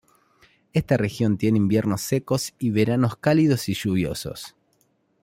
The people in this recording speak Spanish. Esta región tiene inviernos secos y veranos cálidos y lluviosos.